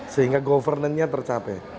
sehingga governance nya tercapai